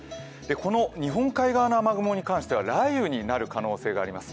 この日本海側の雨雲に関しては雷雨になる可能性があります。